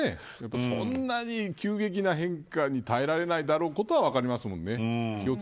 そんなに急激な変化に耐えられないだろうことは分かりますもんね。